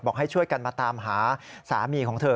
ให้ช่วยกันมาตามหาสามีของเธอ